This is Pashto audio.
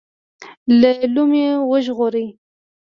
له لومې وژغوري.